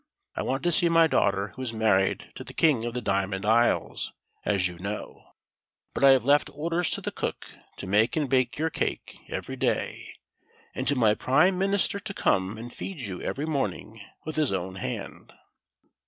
I want to see my daughter who is married to the King of the Diamond Isles, as you know ; but I have left orders to the cook to make and bake your cake every day, and to my prime minister to come and feed you every morning with his own hand."